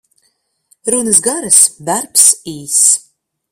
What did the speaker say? Runas garas, darbs īss.